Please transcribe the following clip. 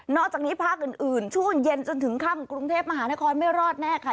อกจากนี้ภาคอื่นช่วงเย็นจนถึงค่ำกรุงเทพมหานครไม่รอดแน่ค่ะ